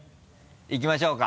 いきましょうか。